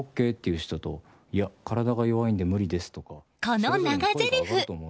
この長ぜりふ。